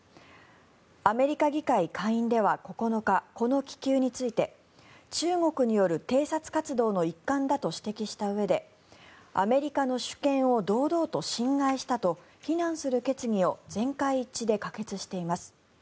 アメリカ議会下院では９日この気球について中国による偵察活動の一環だと指摘したうえでアメリカの主権を堂々と侵害したと非難する決議を全会一致で可決しています。